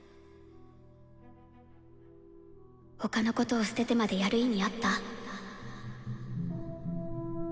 他のことを捨ててまでやる意味あった？